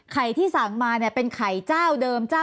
ไข่ที่สั่งมาเป็นไข่เจ้าเดิม